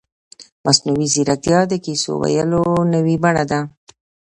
مصنوعي ځیرکتیا د کیسو ویلو نوې بڼه ده.